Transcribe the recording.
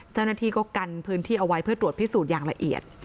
เจ้าหน้าที่ก็กันพื้นที่เอาไว้เพื่อตรวจพิสูจน์อย่างละเอียด